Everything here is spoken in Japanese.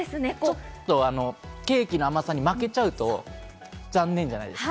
ちょっとケーキの甘さに負けちゃうと残念じゃないですか。